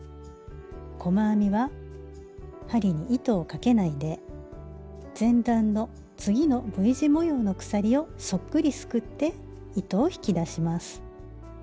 細編みは針に糸をかけないで前段の次のＶ字模様の鎖をそっくりすくって糸を引き出します。